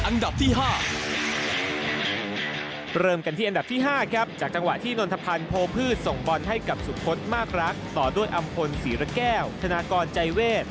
ภูมิข้างให้กับสุพธมากรักต่อด้วยอำพลศรีรก้าวธนากรใจเวทย์